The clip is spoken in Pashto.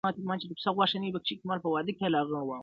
مرور له پلاره ولاړی په غصه سو,